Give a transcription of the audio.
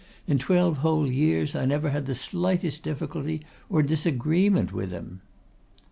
In twelve whole years I never had the slightest difficulty or disagreement with him."